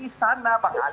dipakai kita terjebak